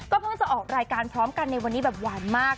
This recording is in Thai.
เพิ่งจะออกรายการพร้อมกันในวันนี้แบบหวานมาก